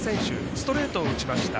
ストレートを打ちました。